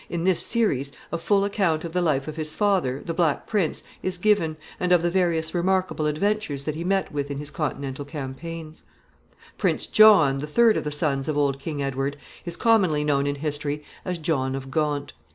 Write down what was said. in this series, a full account of the life of his father, the Black Prince, is given, and of the various remarkable adventures that he met with in his Continental campaigns. [Sidenote: John of Gaunt.] Prince John, the third of the sons of old King Edward, is commonly known in history as John of Gaunt.